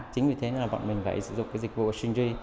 chính vì thế bọn mình phải sử dụng dịch vụ của stringy